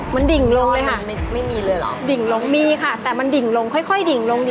มันดิ่งลงเลยค่ะมันไม่มีเลยหรอมีค่ะแต่มันดิ่งลงค่อยดิ่งลง